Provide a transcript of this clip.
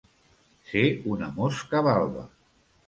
Ser una mosca balba.